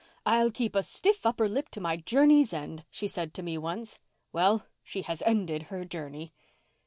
'I'll keep a stiff upper lip to my journey's end,' said she to me once. Well, she has ended her journey."